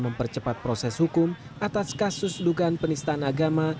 mempercepat proses hukum atas kasus dugaan penistaan agama